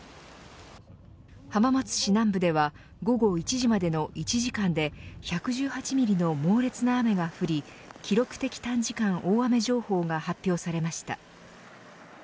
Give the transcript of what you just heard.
浜松市南部では午後１時までの１時間で１１８ミリの猛烈な雨が降り記録的短時間大雨情報が発表されました。